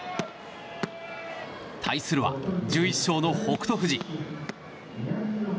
対するは、１１勝の北勝富士。